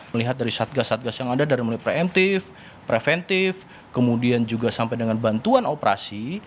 melihat dari satgas satgas yang ada dari mulai preemptif preventif kemudian juga sampai dengan bantuan operasi